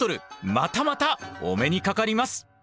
またまたお目にかかります！